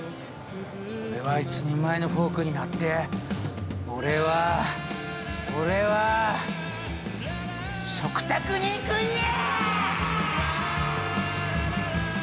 俺は一人前のフォークになって俺は俺は食卓に行くんや！